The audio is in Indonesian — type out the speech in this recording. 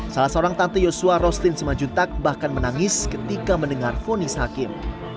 salah seorang tante yosua rostin simajuntak bahkan menangis ketika mendengar fonis hakim